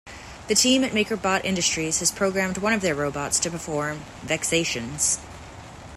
The team at MakerBot Industries has programmed one of their robots to perform "Vexations".